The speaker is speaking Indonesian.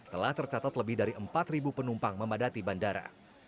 telah tercatat lebih dari empat penumpang memadati bandara